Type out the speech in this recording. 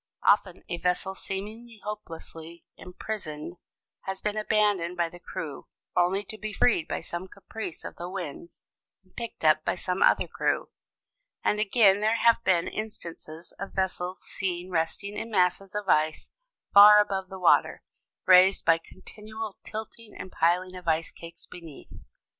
Often a vessel seemingly hopelessly imprisoned has been abandoned by the crew, only to be freed by some caprice of the winds and picked up by some other crew. And again there have been instances of vessels seen resting in masses of ice far above the water, raised by continual tilting and piling of ice cakes beneath.